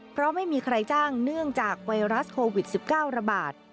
เพราะไม่มีใครจ้างเนื่องจากไวรัสโควิด๑๙ระบาด